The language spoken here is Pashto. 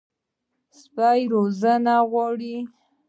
سپي روزنه غواړي.